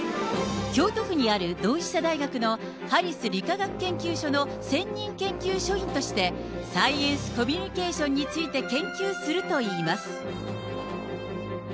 京都府にある同志社大学のハリス理化学研究所の専任研究所員として、サイエンスコミュニケーションについて研究するといいます。